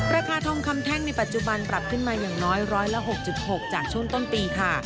ราคาทองคำแท่งในปัจจุบันปรับขึ้นมาอย่างน้อยร้อยละ๖๖จากช่วงต้นปีค่ะ